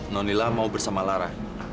non lila mau bersama lara